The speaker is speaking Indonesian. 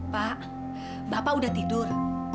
pak bapak udah tidur